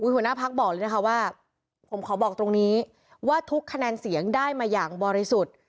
หัวหน้าพักบอกเลยนะคะว่าผมขอบอกตรงนี้ว่าทุกคะแนนเสียงได้มาอย่างบริสุทธิ์